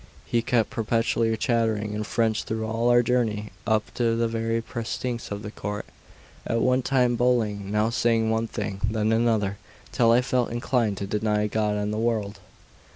He kept perpetually chattering in French through all our journey, up to the very precincts of the court, at one time bullying, now saying one thing, then another, till I felt inclined to deny God and the world.